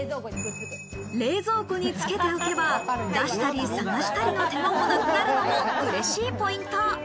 冷蔵庫につけておけば、出したり探したりの手間もなくなるのもうれしいポイント。